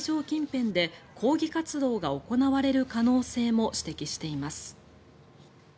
近辺で抗議活動が行われる可能性も指摘しています。